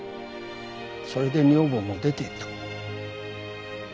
それで女房も出て行った。